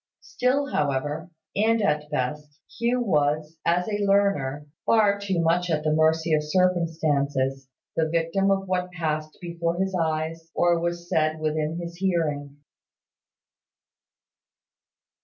Still, however, and at the best, Hugh was, as a learner, far too much at the mercy of circumstances the victim of what passed before his eyes, or was said within his hearing.